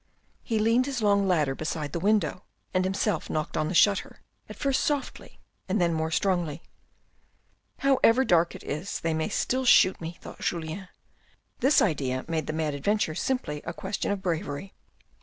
He leaned his long ladder beside the window, and himself knocked on the shutter, at first softly, and then more strongly. " However dark it is, they may still shoot me," thought Julien. This idea made the mad adventure simply a question of bravery.